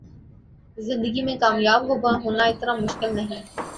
زندگی میں کامیاب ہونا اتنا مشکل نہیں